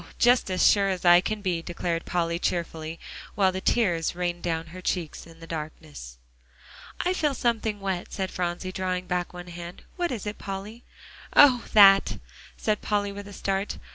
just as sure as I can be," declared Polly cheerfully, while the tears rained down her cheek in the darkness. "I feel something wet," said Phronsie, drawing back one hand. "What is it, Polly?" "Oh! that," said Polly with a start.